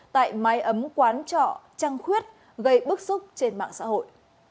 tại mái ấm quán trọ trăng khuyết gây bức xúc trên mạng xã hội